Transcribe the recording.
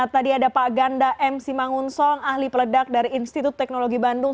tadi ada pak ganda m simangunsong ahli peledak dari institut teknologi bandung